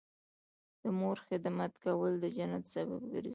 د مور خدمت کول د جنت سبب ګرځي